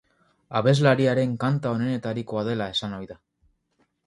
Abeslariaren kanta onenetarikoa dela esan ohi da.